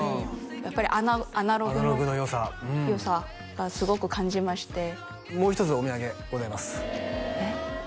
やっぱりアナログのアナログの良さ良さがすごく感じましてもう一つお土産ございますえっ？